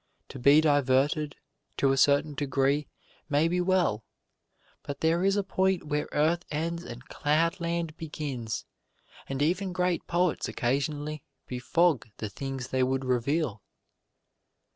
To be diverted to a certain degree may be well, but there is a point where earth ends and cloud land begins, and even great poets occasionally befog the things they would reveal.